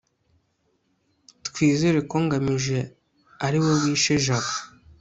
twizera ko ngamije ari we wishe jabo